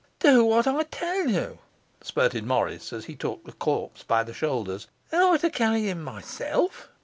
'Do what I tell you,' spirted Morris, as he took the corpse by the shoulders. 'Am I to carry him myself?